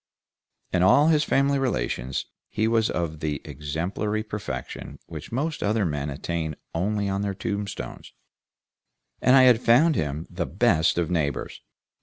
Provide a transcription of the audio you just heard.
In all his family relations he was of the exemplary perfection which most other men attain only on their tombstones, and I had found him the best of neighbors.